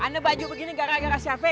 anda baju begini gara gara siapa